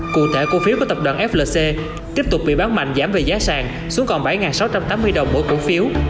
cụ thể cổ phiếu của tập đoàn flc tiếp tục bị bán mạnh giảm về giá sàng xuống còn bảy sáu trăm tám mươi đồng mỗi cổ phiếu